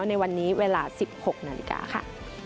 ในวันนี้เวลา๑๖นาฬิกาค่ะ